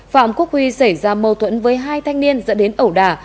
phạm quốc huy xảy ra mâu thuẫn với hai thanh niên dẫn đến ẩu đà